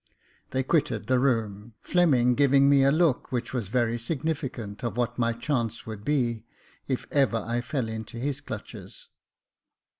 They quitted the room, Fleming giving me a look which was very significant of what my chance would be, if ever I fell into his clutches.